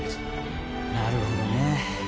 なるほどね。